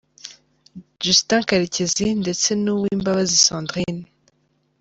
Justin Karekezi ndetse na Uwimbabazi Sandrine